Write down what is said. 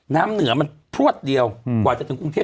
น้ำเหนือมันพลวดเดียวกว่าจะถึงกรุงเทพ